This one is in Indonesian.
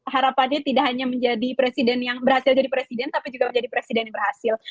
harapannya tidak hanya menjadi presiden yang berhasil jadi presiden tapi juga menjadi presiden yang berhasil